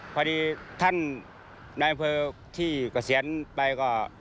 พอดีท่านนายเมืองเผอร์ที่เกษียณไปก็